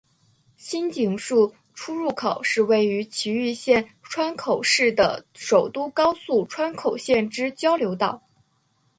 新井宿出入口是位于崎玉县川口市的首都高速川口线之交流道。